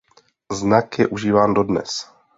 Znak je užíván dodnes.